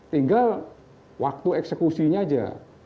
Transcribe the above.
tinggal waktu eksekusinya aja